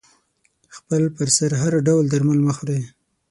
خپل پر سر هر ډول درمل مه خوری